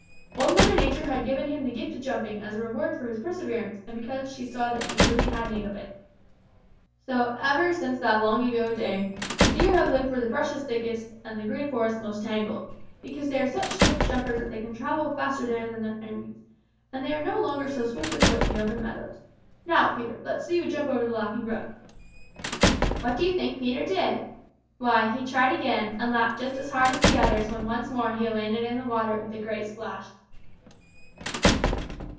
Old Mother Nature had given him the gift of jumping as a reward for his perseverance and because she saw that he really had need of it. "So ever since that long ago day, the Deer have lived where the brush is thickest and the Green Forest most tangled, because they are such great jumpers that they can travel faster there than their enemies, and they are no longer so swift of foot in the open meadows. Now, Peter, let's see you jump over the Laughing Brook." What do you think Peter did? Why, he tried again, and laughed just as hard as the others when once more he landed in the water with a great splash.